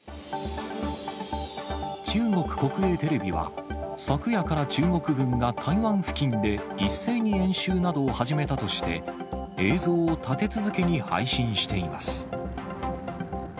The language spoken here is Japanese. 中国国営テレビは、昨夜から中国軍が台湾付近で一斉に演習などを始めたとして、映像を立て続けに配信しています。